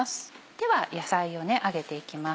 では野菜を揚げていきます。